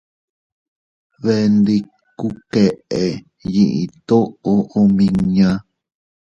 Bee ndikku keʼe yiʼi toʼo omiña.